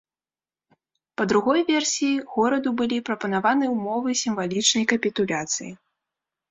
Па другой версіі, гораду былі прапанавалі ўмовы сімвалічнай капітуляцыі.